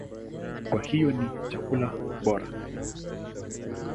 Kwa hiyo ni chakula bora.